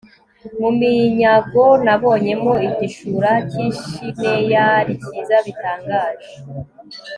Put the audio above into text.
mu minyago nabonyemo igishura cy'i shineyari cyiza bitangaje